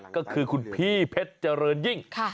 ก็คือคุณพี่เพชรเจริญยิ่ง